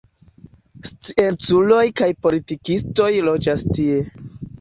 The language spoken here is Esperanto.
Scienculoj kaj politikistoj loĝas tie.